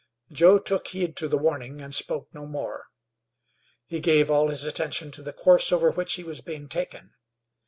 Joe took heed to the warning and spoke no more. He gave all his attention to the course over which he was being taken.